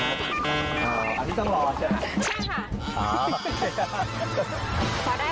อันนี้ต้องรอใช่ไหม